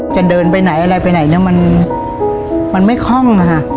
จะเดินไปไหนอะไรไปไหนมันไม่คล่อง